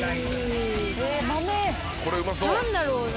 何だろうな？